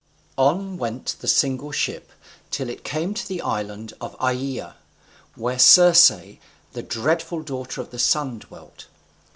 On went the single ship till it came to the island of Aeaea, where Circe, the dreadful daughter of the Sun, dwelt.